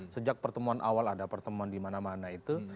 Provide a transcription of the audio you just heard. sejak pertemuan awal ada pertemuan di mana mana itu